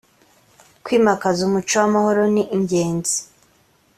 kwimakaza umuco w’amahoro ni ingenzi